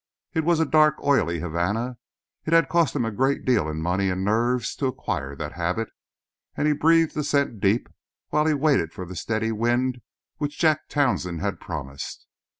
It was a dark, oily Havana it had cost him a great deal in money and nerves to acquire that habit and he breathed the scent deep while he waited for the steady wind which Jack Townsend had promised.